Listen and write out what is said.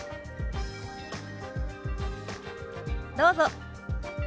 どうぞ。